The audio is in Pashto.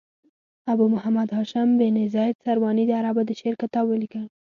ابو محمد هاشم بن زید سرواني د عربو د شعر کتاب ولیکه.